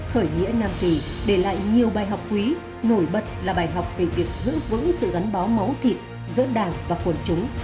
khởi nghĩa nam kỳ để lại nhiều bài học quý nổi bật là bài học về việc giữ vững sự gắn bó máu thịt giữa đảng và quân chúng